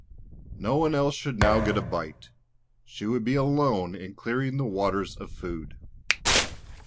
No one else should now get a bite; she would be alone in clearing the waters of food.